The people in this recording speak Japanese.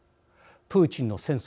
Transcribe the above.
プーチンの戦争